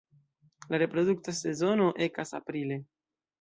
La reprodukta sezono ekas aprile.